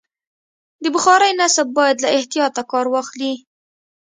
د بخارۍ نصب باید له احتیاطه کار واخلي.